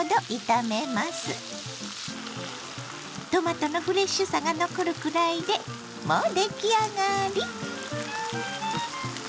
トマトのフレッシュさが残るくらいでもう出来上がり！